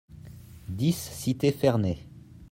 dix cité Fernet